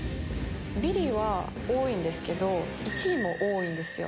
ビリは多いんですけど、１位も多いんですよ。